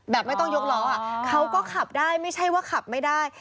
ไม่ต้องยกล้อเขาก็ขับได้ไม่ใช่ว่าขับไม่ได้